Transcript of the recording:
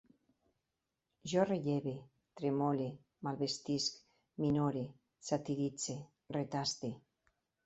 Jo relleve, tremole, malvestisc, minore, satiritze, retaste